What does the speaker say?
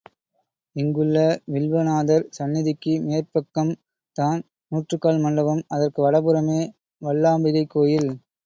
இங்குள்ள வில்வநாதர் சந்நிதிக்கு மேற்பக்கம் தான் நூற்றுக்கால் மண்டபம், அதற்கு வடபுறமே வல்லாம்பிகை கோயில்.